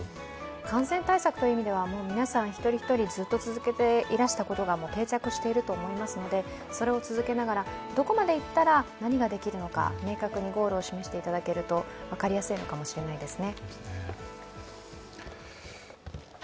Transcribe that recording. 感染対策という意味では、皆さん一人一人続けていたことが定着していると思いますので、それを続けながら、どこまでいったら何ができるのか、明確にゴールを示していただけると分かりやすいのかもしれないですね。